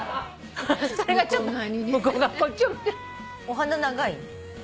お鼻長い。